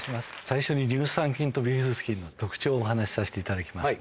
最初に乳酸菌とビフィズス菌の特徴をお話しさせていただきます。